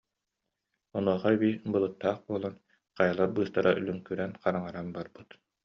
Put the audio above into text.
Онуоха эбии, былыттаах буолан, хайалар быыстара лүҥкүрэн, хараҥаран барбыт